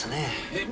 えっ！？